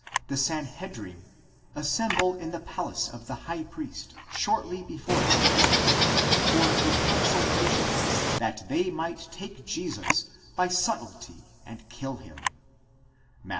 the Sanhedrim, assemble in the palace of the high priest, shortly before the passover, for a consultation, that they might take Jesus by subtlety and kill him (Matt.